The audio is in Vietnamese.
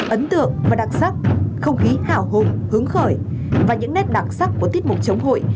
ấn tượng và đặc sắc không khí hào hùng hứng khởi và những nét đặc sắc của tiết mục chống hội